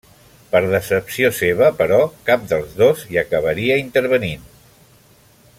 Per decepció seva, però, cap dels dos hi acabaria intervenint.